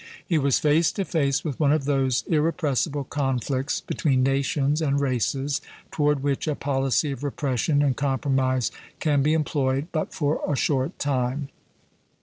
He was face to face with one of those irrepressible conflicts between nations and races toward which a policy of repression and compromise can be employed but for a short time.